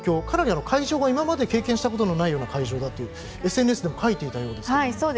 かなり会場が今まで経験したことがないような会場だとＳＮＳでも書いていたようですが。